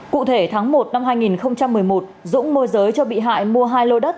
cụ thể tháng một năm hai nghìn một mươi một dũng môi giới cho bị hại mua hai lô đất